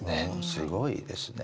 すごいですね。